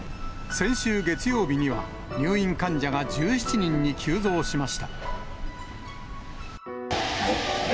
先週月曜日には、入院患者が１７人に急増しました。